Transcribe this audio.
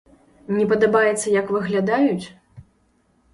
Не падабаецца, як выглядаюць?